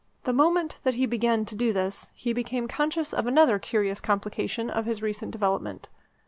The moment that he began to do this he became conscious of another curious complication of his recent development.